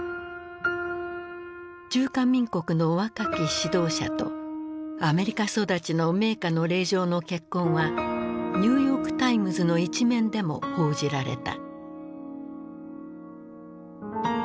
中華民国の若き指導者とアメリカ育ちの名家の令嬢の結婚はニューヨーク・タイムズの一面でも報じられた。